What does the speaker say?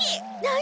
何？